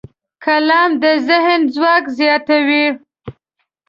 قلم د ذهن ځواک زیاتوي